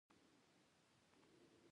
ایا ستاسو چلند انساني نه دی؟